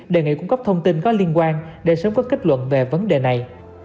đề nghị cung cấp thông tin có liên quan để sớm có kết luận về vấn đề này